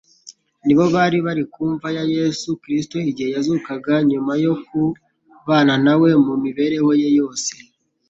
ni bo bari bari ku mva ya Yesu Kristo igihe yazukaga, vnyuma yo kubana na we mu mibereho ye yose.